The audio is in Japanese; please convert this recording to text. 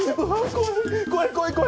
怖い怖い怖い怖い！